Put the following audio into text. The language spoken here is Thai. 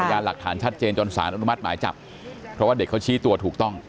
ยานหลักฐานชัดเจนจนสารอนุมัติหมายจับเพราะว่าเด็กเขาชี้ตัวถูกต้อง